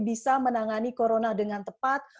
bisa menangani corona dengan tepat